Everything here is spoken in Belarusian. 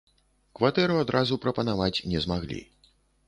Кватэру адразу прапанаваць не змаглі.